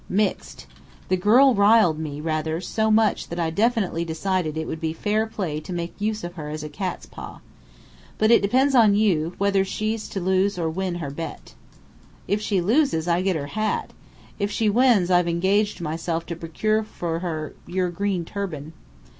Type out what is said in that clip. "Mixed. The girl riled me, rather, so much so that I definitely decided it would be fair play to make use of her as a cat's paw. But it depends on you, whether she's to lose or win her bet." "If she loses, I get her hat. If she wins, I've engaged myself to procure for her your green turban."